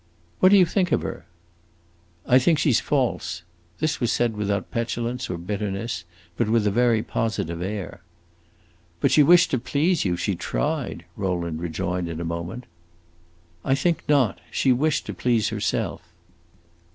"What do you think of her?" "I think she 's false." This was said without petulance or bitterness, but with a very positive air. "But she wished to please you; she tried," Rowland rejoined, in a moment. "I think not. She wished to please herself!"